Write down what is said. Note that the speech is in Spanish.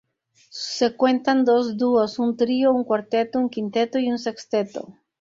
Se cuentan dos dúos, un trío, un cuarteto, un quinteto y un sexteto.